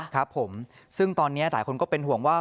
ครับผมซึ่งตอนนี้หลายคนก็เป็นห่วงว่า